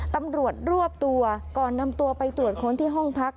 ตำรวจรวบตัวก่อนนำตัวไปตรวจค้นที่ห้องพัก